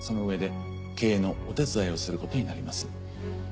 うえで経営のお手伝いをすることになります。